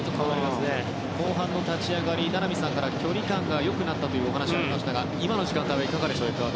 後半の立ち上がり名波さんから距離感が良くなったというお話もありましたが今の時間帯はエクアドルいかがでしょう？